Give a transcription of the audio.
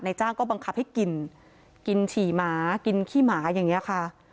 จ้างก็บังคับให้กินกินฉี่หมากินขี้หมาอย่างนี้ค่ะ